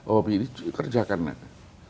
hobi ini kerjakanlah